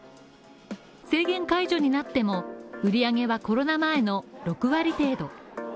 制限解除になっても売り上げはコロナ前の６割程度。